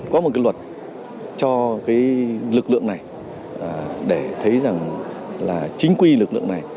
có một cái luật cho cái lực lượng này để thấy rằng là chính quy lực lượng này